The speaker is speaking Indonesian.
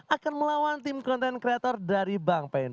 akan melawan tim content creator dari bang pain